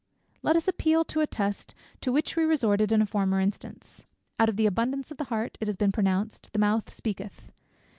Let us appeal to a test to which we resorted in a former instance. "Out of the abundance of the heart," it has been pronounced, "the mouth speaketh."